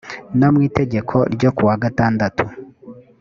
no mu itegeko n ryo ku wa gatandatu